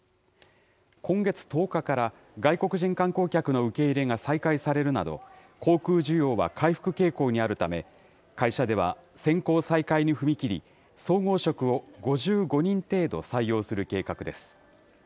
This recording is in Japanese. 今月１０日から外国人観光客の受け入れが再開されるなど、航空需要は回復傾向にあるため、会社では、選考再開に踏み切り、総合職を５５人程度採用する計画です。